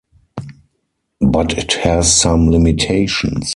But it has some limitations.